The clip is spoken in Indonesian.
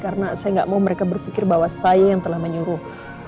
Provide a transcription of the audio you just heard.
karena saya tidak mau mereka berpikir bahwa saya yang telah menyuruh